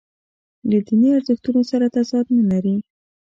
له دیني ارزښتونو سره تضاد نه لري.